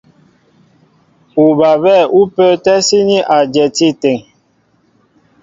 Ubabɛ̂ ú pə́ə́tɛ́ síní a dyɛti áteŋ.